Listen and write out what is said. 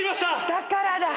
だからだ！